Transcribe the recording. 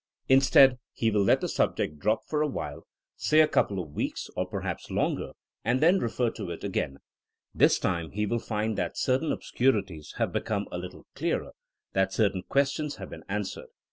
Instead he will let the subject drop for a while, say a couple of weeks or perhaps longer, and then refer to it again This time he will find that certain ob scurities have become a little clearer; that cer tain questions have been answered.